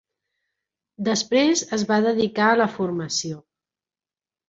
Després es va dedicar a la formació.